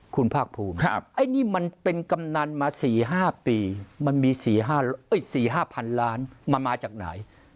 คุณภาคภูมิไอ้นี่มันเป็นกำนันมา๔๕ปีมันมี๔๕พันล้านมันมาจากไหน